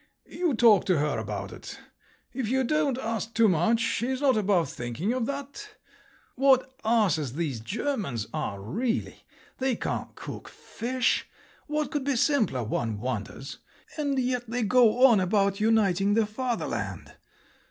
You talk to her about it. If you don't ask too much, she's not above thinking of that…. What asses these Germans are, really! They can't cook fish. What could be simpler, one wonders? And yet they go on about 'uniting the Fatherland.